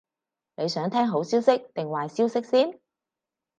你想聽好消息定壞消息先？